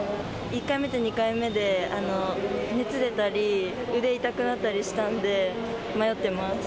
１回目と２回目で熱出たり、腕痛くなったりしたんで、迷ってます。